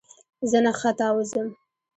زه نه ختاوزم !